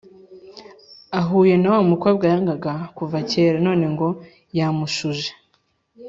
Ahuye nawamukobwa yangaga kuva kera none ngo yamushuje